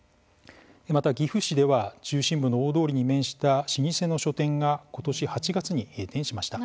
また、岐阜市では中心部の大通りに面した老舗の書店が今年８月に閉店しました。